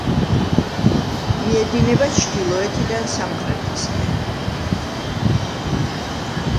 მიედინება ჩრდილოეთიდან სამხრეთისკენ.